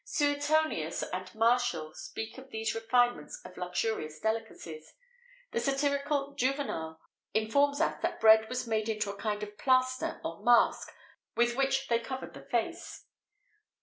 Suetonius[XVIII 15] and Martial[XVIII 16] speak of these refinements of luxurious delicacies. The satirical Juvenal informs us that bread was made into a kind of plaster or mask, with which they covered the face.